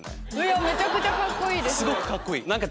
めちゃくちゃカッコいいです。